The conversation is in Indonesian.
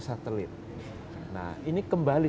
satelit nah ini kembali